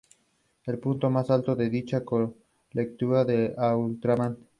Dicho grupo compartió con Chile, Colombia, Paraguay y Bolivia.